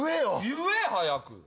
言え早く。